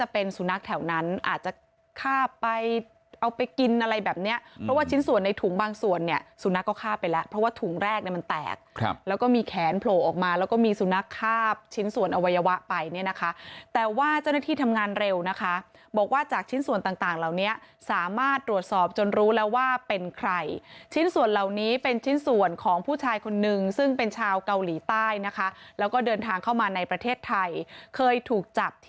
เพราะว่าถุงแรกมันแตกแล้วก็มีแขนโผล่ออกมาแล้วก็มีสุนคาบชิ้นส่วนอวัยวะไปเนี่ยนะคะแต่ว่าเจ้าหน้าที่ทำงานเร็วนะคะบอกว่าจากชิ้นส่วนต่างเหล่านี้สามารถตรวจสอบจนรู้แล้วว่าเป็นใครชิ้นส่วนเหล่านี้เป็นชิ้นส่วนของผู้ชายคนนึงซึ่งเป็นชาวเกาหลีใต้นะคะแล้วก็เดินทางเข้ามาในประเทศไทยเคยถู